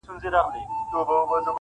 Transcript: پر دا خپله خرابه مېنه مین یو-